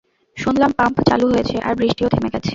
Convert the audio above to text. শুনলাম পাম্প চালু হয়েছে আর বৃষ্টিও থেমে গেছে।